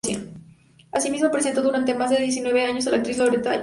Así mismo, representó durante más de diecinueve años a la actriz Loretta Young.